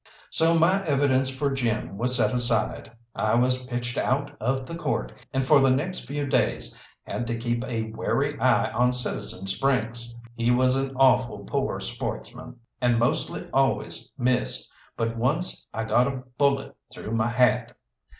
So my evidence for Jim was set aside, I was pitched out of the court, and for the next few days had to keep a wary eye on citizen Sprynkes. He was an awful poor sportsman, and mostly always missed; but once I got a bullet through my hat.